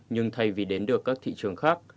nhưng thay vì đến được các thị trường khác